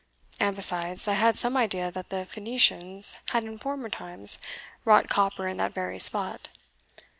And besides, I had some idea that the Phoenicians had in former times wrought copper in that very spot.